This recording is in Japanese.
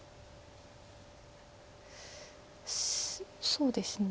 そうですね